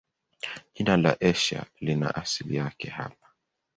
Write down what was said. Jina la Asia lina asili yake hapa.